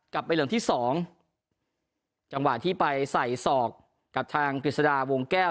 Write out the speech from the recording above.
ไปเหลืองที่สองจังหวะที่ไปใส่ศอกกับทางกฤษฎาวงแก้ว